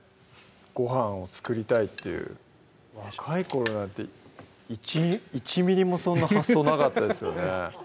ごはんを作りたいっていう若い頃なんて１ミリもそんな発想なかったですよね